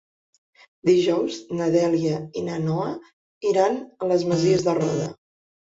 Dijous na Dèlia i na Noa iran a les Masies de Roda.